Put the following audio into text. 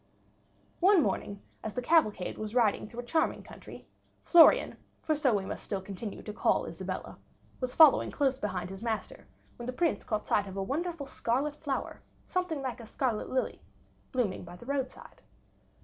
One morning, as the cavalcade was riding through a charming country, Florian, for so we must still continue to call Isabella, was following close behind his master, when the Prince caught sight of a wonderful scarlet flower, something like a scarlet lily, blooming by the roadside.